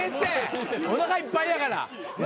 おなかいっぱいやから。